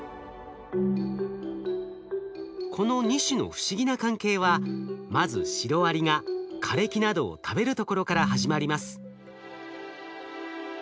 この２種の不思議な関係はまずシロアリが枯れ木などを食べるところから始まります。